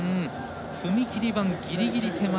踏切板ギリギリ手前。